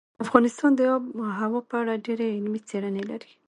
افغانستان د آب وهوا په اړه ډېرې علمي څېړنې لري.